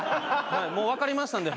もう分かりましたんで。